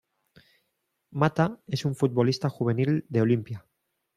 Matta, es un futbolista juvenil de Olimpia.